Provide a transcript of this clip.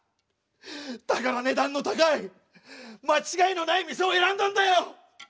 だから値段の高い間違いのない店を選んだんだよ！